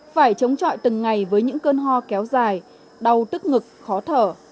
phải chống trọi từng ngày với những cơn ho kéo dài đau tức ngực khó thở